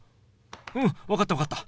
うん分かった分かった。